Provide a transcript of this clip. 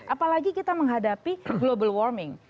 apalagi kita menghadapi global warming